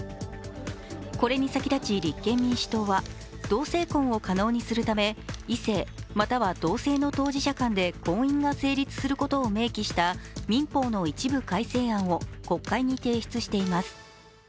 これに先立ち立憲民主党は同性婚を可能にするため異性または同性の当事者間で婚姻が成立することを明記した民法の一部改正案を国会に提出しています。